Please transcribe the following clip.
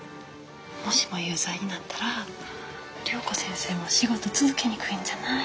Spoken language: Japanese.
もしも有罪になったら良子先生も仕事続けにくいんじゃない？